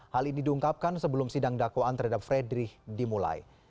hal ini diungkapkan sebelum sidang dakwaan terhadap fredrich dimulai